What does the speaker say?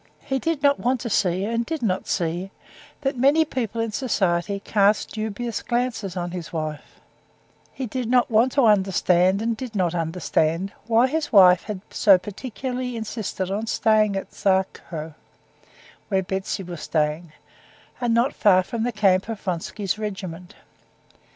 He did not want to see, and did not see, that many people in society cast dubious glances on his wife; he did not want to understand, and did not understand, why his wife had so particularly insisted on staying at Tsarskoe, where Betsy was staying, and not far from the camp of Vronsky's regiment.